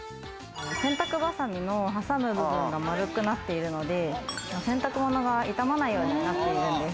洗濯バサミの挟む部分が丸くなっているので、洗濯物が傷まないようになっているんです。